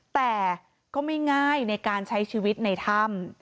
แต่ก็ไม่ง่ายในการใช้ชีวิตในถ้ำ